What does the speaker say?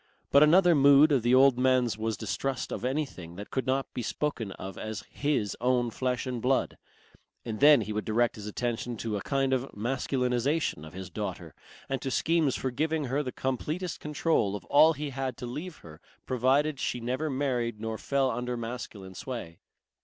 But another mood of the old man's was distrust of anything that could not be spoken of as his "own flesh and blood," and then he would direct his attention to a kind of masculinization of his daughter and to schemes for giving her the completest control of all he had to leave her provided she never married nor fell under masculine sway.